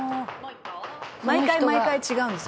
「毎回毎回違うんです」